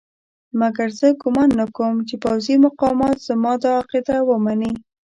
مګر زه ګومان نه کوم چې پوځي مقامات زما دا عقیده ومني.